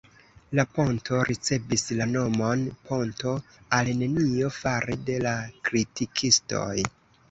La ponto ricevis la nomon "Ponto al nenio" fare de la kritikistoj.